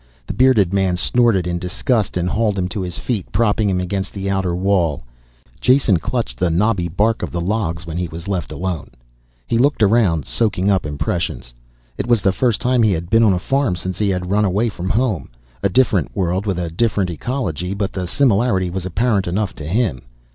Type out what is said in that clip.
The bearded man snorted in disgust and hauled him to his feet, propping him against the outer wall. Jason clutched the knobby bark of the logs when he was left alone. He looked around, soaking up impressions. It was the first time he had been on a farm since he had run away from home. A different world with a different ecology, but the similarity was apparent enough to him.